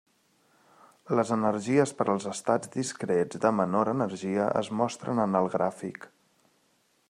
Les energies per als estats discrets de menor energia es mostren en el gràfic.